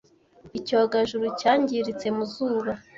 icyogajuru cyangiritse mu zuba